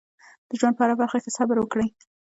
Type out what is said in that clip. د ژوند په هره برخه کې صبر وکړئ.